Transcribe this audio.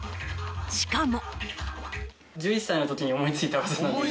しかも。